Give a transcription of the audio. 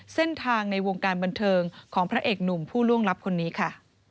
เส้นทางในวงการบันเทิงของพระเอกหนุ่มผู้ล่วงลับคนนี้ค่ะ